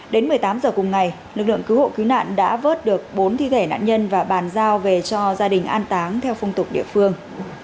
đến một mươi tám h cùng ngày lực lượng cứu hộ cứu nạn đã vớt được bốn thi thể nạn nhân và bàn giao về cho gia đình an táng theo phong tục địa phương